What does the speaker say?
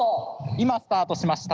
今スタートしました！